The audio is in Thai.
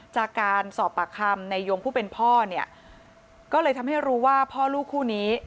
จากการสอบปากคำในยงผู้เป็นพ่อเนี่ยก็เลยทำให้รู้ว่าพ่อลูกคู่นี้